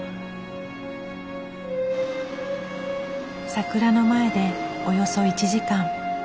桜の前でおよそ１時間。